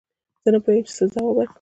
زه نه پوهېږم چې څه جواب ورکړم